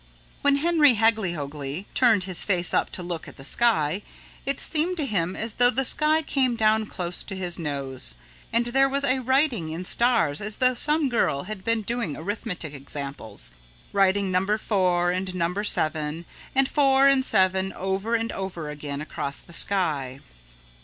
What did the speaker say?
When Henry Hagglyhoagly turned his face up to look at the sky it seemed to him as though the sky came down close to his nose, and there was a writing in stars as though some girl had been doing arithmetic examples, writing number 4 and number 7 and 4 and 7 over and over again across the sky.